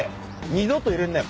二度と入れんなよ